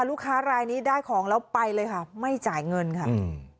ลูกค้ารายนี้ได้ของแล้วไปเลยค่ะไม่จ่ายเงินค่ะอืม